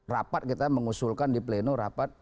rapat kita mengusulkan di pleno rapat